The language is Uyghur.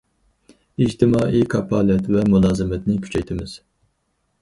ئىجتىمائىي كاپالەت ۋە مۇلازىمەتنى كۈچەيتىمىز.